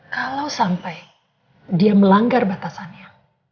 kalau sampai dia melanggar batasannya